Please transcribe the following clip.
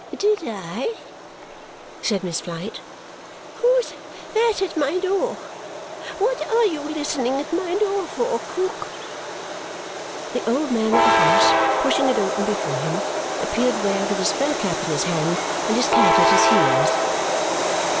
"Did I?" said Miss Flite. "Who's that at my door? What are you listening at my door for, Krook?" The old man of the house, pushing it open before him, appeared there with his fur cap in his hand and his cat at his heels.